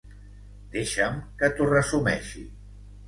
Deixa'm que t'ho resumeixi.